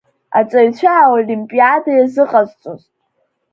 Аҵаҩцәа аолимпиада иазыҟазҵоз.